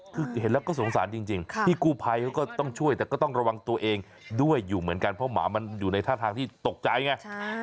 คือเห็นแล้วก็สงสารจริงพี่กู้ภัยเขาก็ต้องช่วยแต่ก็ต้องระวังตัวเองด้วยอยู่เหมือนกันเพราะหมามันอยู่ในท่าทางที่ตกใจไง